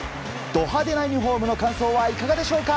ド派手なユニホームの感想はいかがでしょうか。